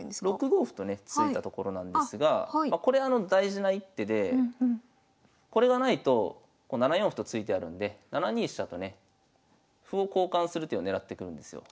６五歩とね突いたところなんですがこれあの大事な一手でこれがないと７四歩と突いてあるんで７二飛車とね歩を交換する手を狙ってくるんですよ。